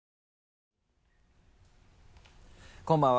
こんばんは。